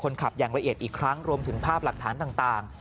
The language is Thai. ขับอย่างละเอียดอีกครั้งรวมถึงภาพหลักฐานต่าง